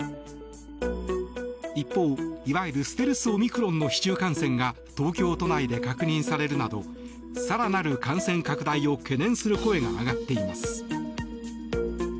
一方、いわゆるステルスオミクロンの市中感染が東京都内で確認されるなど更なる感染拡大を懸念する声が上がっています。